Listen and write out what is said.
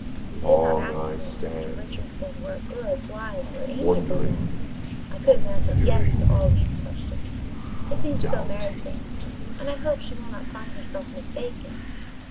You did not ask me if Mr. Richardson were a good, wise, or amiable man; I could have answered Yes, to all these questions—at least so Mary thinks, and I hope she will not find herself mistaken."